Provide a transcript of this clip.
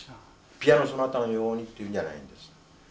ピアノソナタのようにというんじゃないんです。